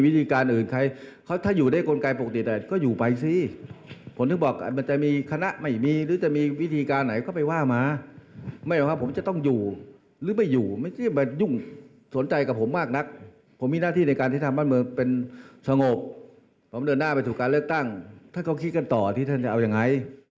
ถ้าเขาคิดกันต่อที่จะเอายังไง